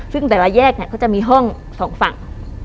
ซึ่งแต่ละแยกเนี่ยเขาจะมีห้องสองฝั่ง